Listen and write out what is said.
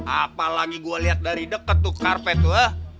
apalagi gue liat dari deket tuh karpet tuh